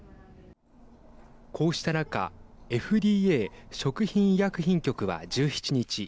こうした中ＦＤＡ＝食品医薬品局は１７日